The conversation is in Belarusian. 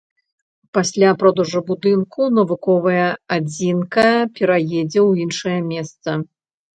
Пасля продажу будынку навуковая адзінка пераедзе ў іншае месца.